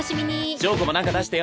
硝子もなんか出してよ。